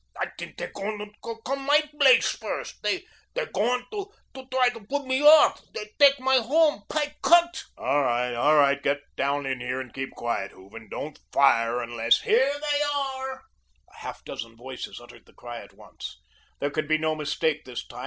I tink dey gowun to gome MY blace first. Dey gowun to try put me off, tek my home, bei Gott." "All right, get down in here and keep quiet, Hooven. Don't fire unless " "Here they are." A half dozen voices uttered the cry at once. There could be no mistake this time.